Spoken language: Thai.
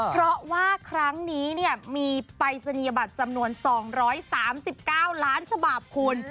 เพราะว่าครั้งนี้มีปรายศนียบัตรจำนวน๒๓๙ล้านฉบับคุณ